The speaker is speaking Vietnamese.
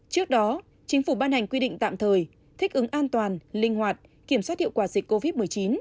trước đó chính phủ ban hành quy định tạm thời thích ứng an toàn linh hoạt kiểm soát hiệu quả dịch covid một mươi chín